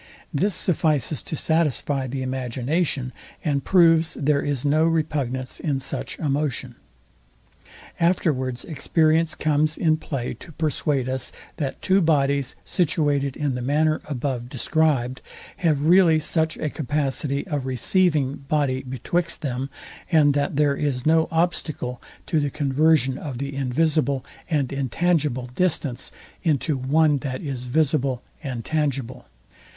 This suffices to satisfy the imagination, and proves there is no repugnance in such a motion. Afterwards experience comes in play to persuade us that two bodies, situated in the manner above described, have really such a capacity of receiving body betwixt them, and that there is no obstacle to the conversion of the invisible and intangible distance into one that is visible and tangible.